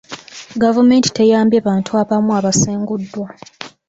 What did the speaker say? Gavumenti teyambye bantu abamu abasenguddwa.